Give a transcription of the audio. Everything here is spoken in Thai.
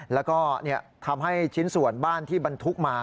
แล้วก็ทำให้ชิ้นส่วนบ้านที่บรรทุกมา